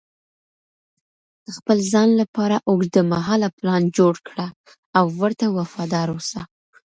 د خپل ځان لپاره اوږدمهاله پلان جوړ کړه او ورته وفادار اوسه.